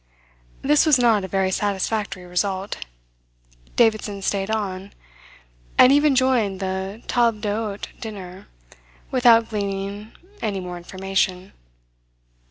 This was not a very satisfactory result. Davidson stayed on, and even joined the table d'hote dinner, without gleaning any more information.